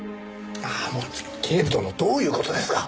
ああもう警部殿どういう事ですか？